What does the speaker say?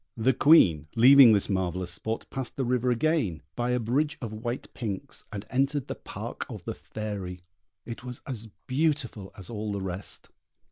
The Queen, leaving this marvellous spot, passed the river again, by a bridge of white pinks, and entered the park of the Fairy. It was as beautiful as all the rest.